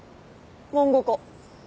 漫画家。